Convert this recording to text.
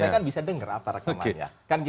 mereka kan bisa dengar apa rekamannya